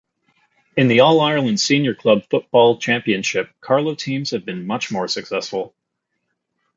In the All-Ireland Senior Club Football Championship Carlow teams have been much more successful.